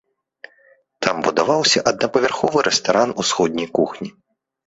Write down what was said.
Там будаваўся аднапавярховы рэстаран усходняй кухні.